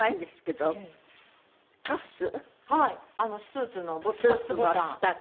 スーツのカフスボタン。